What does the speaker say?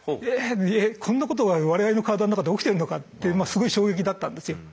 こんなことが我々の体の中で起きてるのかってすごい衝撃だったんですよ。